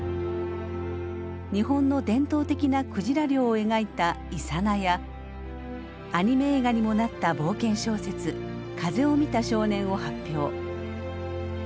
日本の伝統的なクジラ漁を描いた「勇魚」やアニメ映画にもなった冒険小説「風を見た少年」を発表。